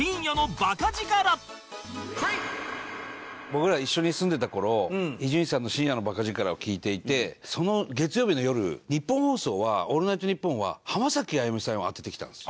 僕ら一緒に住んでた頃伊集院さんの『深夜の馬鹿力』を聴いていてその月曜日の夜ニッポン放送は『オールナイトニッポン』は浜崎あゆみさんをあててきたんです。